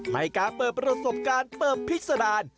ไม่กล้าเปิดประสบการณ์เปิดพิสดาน